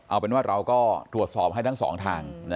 เอาเป็นว่าเราก็ตรวจสอบให้ทั้งสองทาง